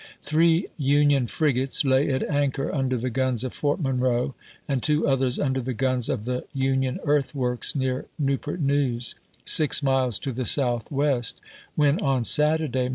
Three Union frigates lay at anchor under the guns of Fort Monroe, and two others under the guns of the Union earthworks near Newport News, six miles to the southwest, when on Saturday, 1862.